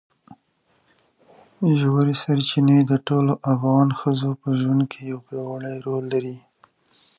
ژورې سرچینې د ټولو افغان ښځو په ژوند کې یو پیاوړی رول لري.